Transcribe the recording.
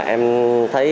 em nhận cái gì